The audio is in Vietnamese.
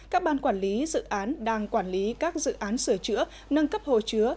các ban quản lý dự án đang quản lý các dự án sửa chữa nâng cấp hồ chứa